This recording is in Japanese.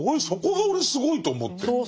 そこが俺すごいと思って。